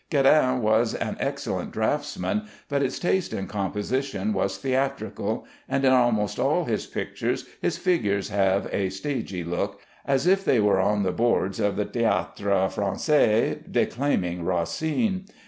Guérin was an excellent draughtsman, but his taste in composition was theatrical, and in almost all his pictures his figures have a stagey look, as if they were on the boards of the Théatre Français, declaiming Racine.